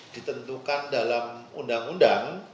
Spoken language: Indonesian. ditentukan dalam undang undang